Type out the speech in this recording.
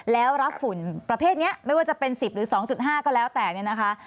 แล้วรับฝุ่นประเภทนี้ไม่ว่าจะเป็น๑๐หรือ๒๕ก็แล้วแต่เนี่ยนะคะ